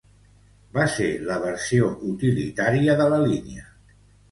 Va ser la versió utilitària de la línia.